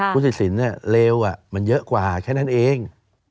ผู้ตัดสินเลวมันเยอะกว่าแค่นั้นเอง